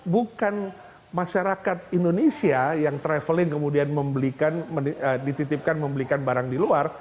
bukan masyarakat indonesia yang traveling kemudian dititipkan membelikan barang di luar